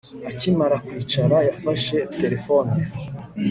Akimara kwicara yafashe terefone